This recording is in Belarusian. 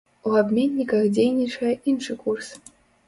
У абменніках дзейнічае іншы курс.